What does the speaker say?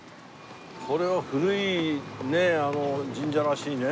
これは古い神社らしいね。